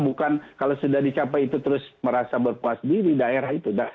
bukan kalau sudah dicapai itu terus merasa berpuas diri daerah itu